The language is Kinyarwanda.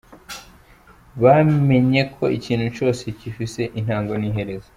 Bamenye ko ikintu cose kifise intango n’iherezo ;